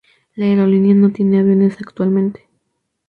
La aerolínea no tiene aviones actualmente.